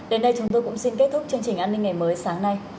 đến đây chúng tôi cũng xin kết thúc chương trình an ninh ngày mới sáng nay